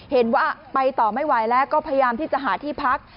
เห็นว่าไปต่อไม่ไหวแล้วก็พยายามที่จะหาที่พัก